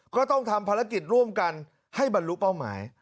ก็ต้องทำภารกิจร่วมกันให้บรรลุเป้าหมาย